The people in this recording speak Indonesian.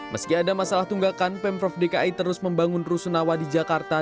meski ada masalah tunggakan pemprov dki terus membangun rusunawa di jakarta